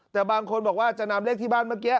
แต่บางคนบอกว่าจะนำเลขที่บ้านเมื่อกี้